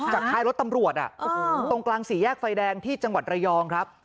ท้ายรถตำรวจตรงกลางสี่แยกไฟแดงที่จังหวัดระยองครับ